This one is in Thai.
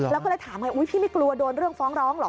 แล้วก็เลยถามไงอุ๊ยพี่ไม่กลัวโดนเรื่องฟ้องร้องเหรอ